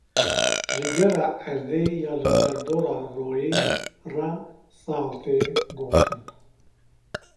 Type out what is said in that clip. Ji gera erdê ya li derdora royê re sal tê gotin.